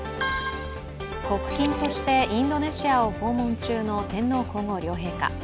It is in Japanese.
国賓としてインドネシアを訪問中の天皇皇后両陛下。